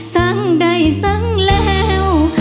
สังใดสังแล้ว